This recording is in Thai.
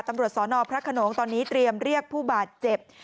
ตำรวจสนพระขนงตอนนี้เตรียมเรียกผู้บาดเจ็บ